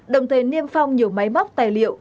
đồng thời niêm phong nhiều máy móc tài liệu